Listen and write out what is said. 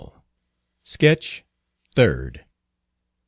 SKETCH THIRD.